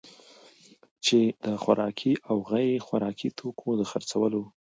چي د خوراکي او غیر خوراکي توکو دخرڅولو